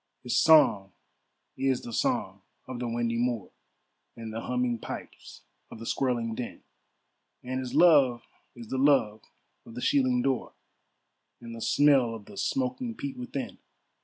His song is the song of the windy moor, And the humming pipes of the squirling din; And his love is the love of the shieling door, And the smell of the smoking peat within.